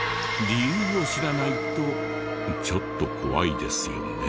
理由を知らないとちょっと怖いですよね。